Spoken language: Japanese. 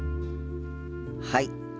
はい。